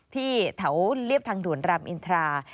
ที่แถวเรียบทางด่วนรามอินทรา